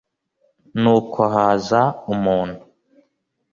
nuko haza umuntu